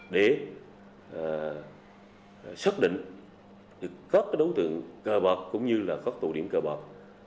để xác định các đối tượng cờ bạc cũng như các tổ điểm cờ bạc